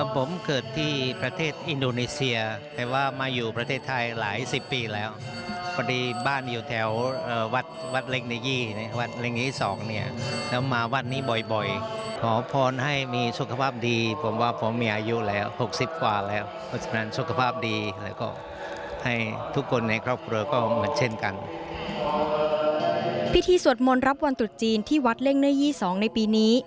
สวดมนต์รับวันตรุษจีนที่วัดเล่งเนื้อ๒ในปีนี้